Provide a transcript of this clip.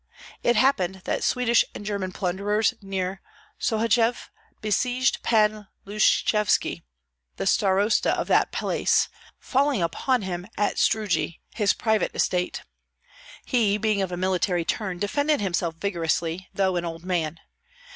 It happened that Swedish and German plunderers near Sohachev besieged Pan Lushchevski, the starosta of that place, falling upon him at Strugi, his private estate. He, being of a military turn, defended himself vigorously, though an old man.